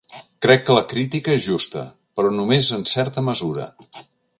Crec que la crítica és justa, però només en certa mesura.